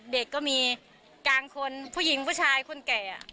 เด็กก็มีกลางคนผู้หญิงผู้ชายคนแก่